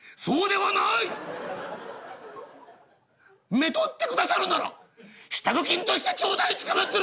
めとって下さるなら支度金として頂戴つかまつる！」。